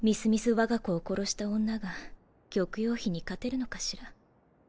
わが子を殺した女が玉葉妃に勝てるのかしら？